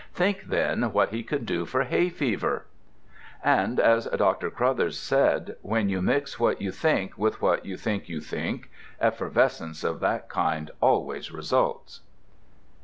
Think, then, what he could do for hay fever! And as Dr. Crothers said, when you mix what you think with what you think you think, effervescence of that kind always results.